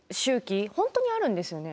本当にあるんですよね。